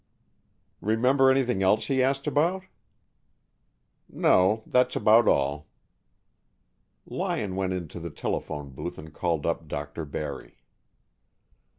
"Remember anything else he asked about?" "No. That's about all." Lyon went into the telephone booth and called up Dr. Barry.